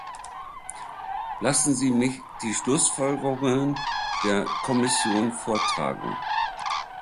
Lassen Sie mich die Schlussfolgerungen der Kommission vortragen.